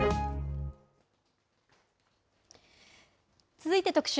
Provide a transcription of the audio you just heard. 続いて特集。